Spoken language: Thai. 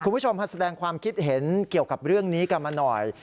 คุณผู้ชมแสดงความคิดเห็นเกี่ยวกับเรื่องนี้กันมาหน่อย